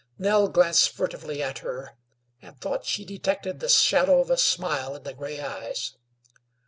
Nell glanced furtively at her and thought she detected the shadow of a smile in the gray eyes.